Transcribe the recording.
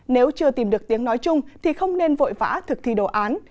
nếu chưa tìm được tiếng nói chung thì không nên vội vã thực thi đồ án